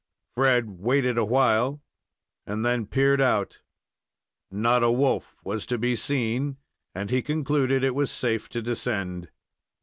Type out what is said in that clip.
Fred waited awhile, and then peered out. Not a wolf was to be seen, and he concluded it was safe to descend.